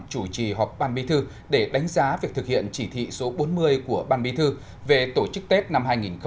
chủ trì họp ban bí thư để đánh giá việc thực hiện chỉ thị số bốn mươi của ban bí thư về tổ chức tết năm hai nghìn hai mươi